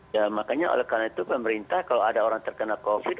ya makanya oleh karena itu pemerintah kalau ada orang terkena covid